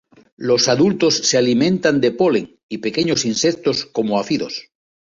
Los adultos se alimentan de polen y pequeños insectos como áfidos.